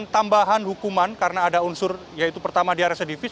tambahan hukuman karena ada unsur yaitu pertama dia residivis